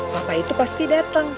papa itu pasti dateng